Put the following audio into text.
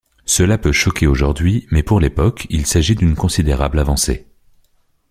Cela peut choquer aujourd’hui mais pour l’époque, il s’agit d’une considérable avancée.